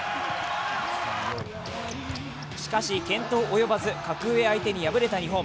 しかし、健闘及ばず格上相手に敗れた日本。